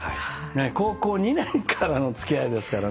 高校２年からの付き合いですからね。